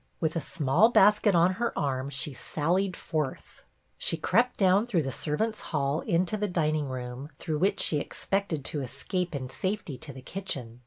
With a small basket on her arm she sallied forth. She crept down through the servants' hall into the dining room, through which she expected to escape in safety to the kitchen.